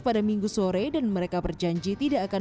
pada minggu sore dan mereka berjanji tidak akan